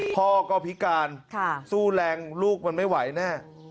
พ่อก็พิการสู้แรงลูกมันไม่ไหวแน่